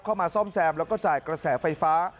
เข้ามาซ่อมแซมแล้วก็จ่ายกระแสไฟฟ้า